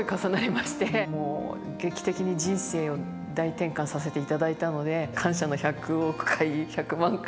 もう劇的に人生を大転換させていただいたので感謝の１００億回１００万回。